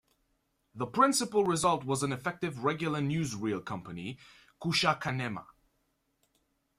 The principal result was an effective regular newsreel company, Kucha Kanema.